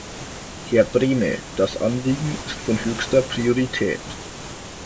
Herr Brehme, das Anliegen ist von höchster Priorität.